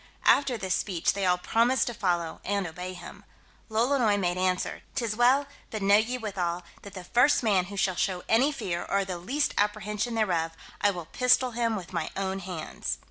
After this speech, they all promised to follow, and obey him. Lolonois made answer, "'Tis well; but know ye, withal, that the first man who shall show any fear, or the least apprehension thereof, I will pistol him with my own hands."